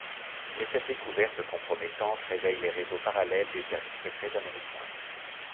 Mais cette découverte compromettante réveille les réseaux parallèles des services secrets américains.